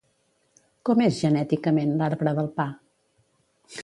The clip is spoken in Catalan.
Com és genèticament l'arbre del pa?